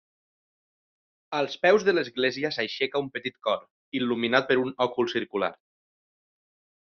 Als peus de l'església s'aixeca un petit cor, il·luminat per un òcul circular.